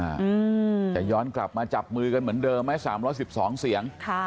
เอือเราต้องกลับมาจับมือกันเหมือนเดิมไหม๓๑๒เสียง